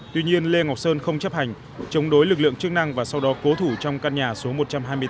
tuy nhiên lê ngọc sơn không chấp hành chống đối lực lượng chức năng và sau đó cố thủ trong căn nhà số một trăm hai mươi tám